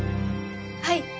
はい。